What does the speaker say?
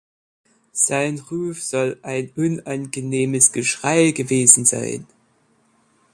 Sein Ruf soll ein unangenehmes Geschrei gewesen sein.